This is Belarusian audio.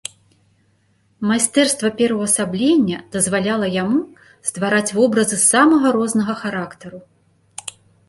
Майстэрства пераўвасаблення дазваляла яму ствараць вобразы самага рознага характару.